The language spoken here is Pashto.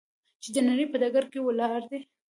چې د نړۍ په ډګر کې ولاړ دی.